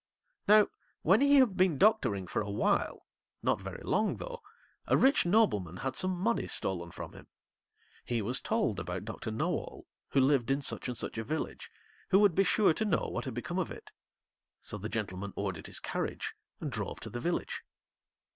Now when he had been doctoring for a while, not very long though, a rich nobleman had some money stolen from him. He was told about Doctor Know all, who lived in such and such a village, who would be sure to know what had become of it. So the gentleman ordered his carriage and drove to the village.